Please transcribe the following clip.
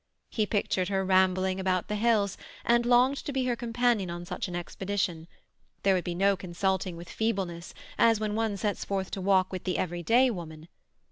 He pictured her rambling about the hills, and longed to be her companion on such an expedition; there would be no consulting with feebleness, as when one sets forth to walk with the everyday woman.